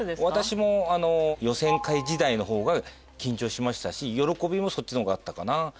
私も予選会時代の方が緊張しましたし喜びもそっちの方があったかな。